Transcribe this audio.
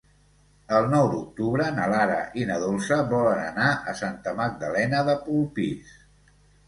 El nou d'octubre na Lara i na Dolça volen anar a Santa Magdalena de Polpís.